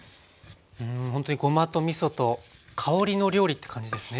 うんほんとにごまとみそと香りの料理って感じですね